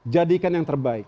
jadikan yang terbaik